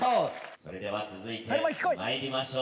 それでは続いて参りましょう。